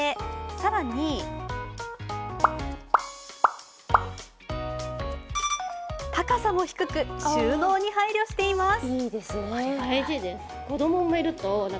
更に、高さも低く収納に配慮しています。